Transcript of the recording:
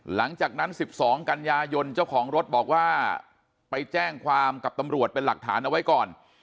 หลังจากนั้น๑๒กันยายนเจ้าของรถบอกว่าไปแจ้งความกับตำรวจเป็นหลักฐานเอาไว้ก่อน